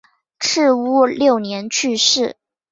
赤乌六年去世。